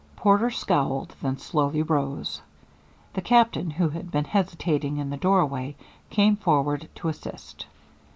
Porter scowled, then slowly rose. The Captain, who had been hesitating in the doorway, came forward to assist.